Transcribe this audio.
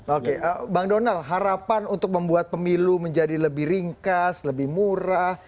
oke bang donald harapan untuk membuat pemilu menjadi lebih ringkas lebih murah